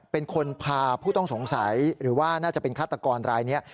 เป็นคนพาผู้ต้องสงสัยหรือว่าน่าจะเป็นฆาตกรรายนี้